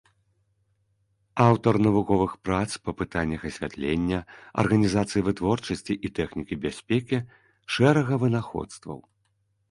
Аўтар навуковых прац па пытаннях асвятлення, арганізацыі вытворчасці і тэхнікі бяспекі, шэрага вынаходстваў.